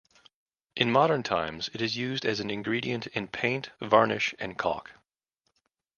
In modern times, it is used as an ingredient in paint, varnish, and caulk.